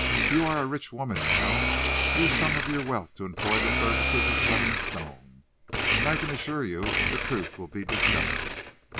"You are a rich woman now; use some of your wealth to employ the services of Fleming Stone, and I can assure you the truth will be discovered."